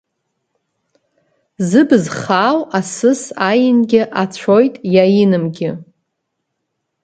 Зыбз хаау асыс аингьы ацәоит иаинымгьы…